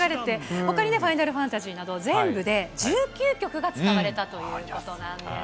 ほかにね、ファイナルファンタジーなど、全部で１９曲が使われたということなんです。